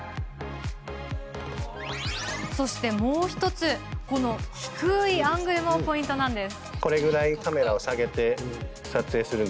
もう１つこの低いアングルもポイントです。